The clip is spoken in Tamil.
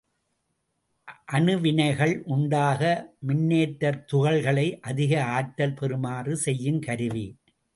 அணுவினைகள் உண்டாக மின்னேற்றத் துகள்களை அதிக ஆற்றல் பெறுமாறு செய்யுங் கருவி.